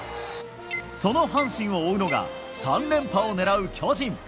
その阪神を追うのが３連覇を狙う巨人。